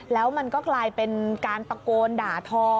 แล้วมันก็กลายเป็นการตะโกนด่าทอ